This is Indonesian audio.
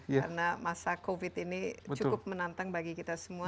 karena masa covid ini cukup menantang bagi kita semua